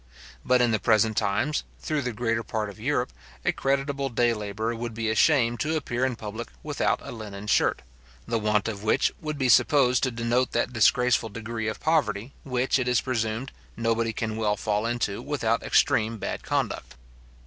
But in the present times, through the greater part of Europe, a creditable day labourer would be ashamed to appear in public without a linen shirt, the want of which would be supposed to denote that disgraceful degree of poverty, which, it is presumed, nobody can well fall into without extreme bad conduct.